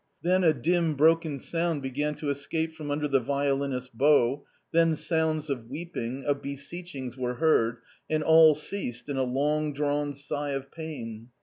Then a dim broken sound began to escape from under the violinist's bow, then sounds of weeping, of beseechings were heard, and all ceased in a long drawn sigh of pain.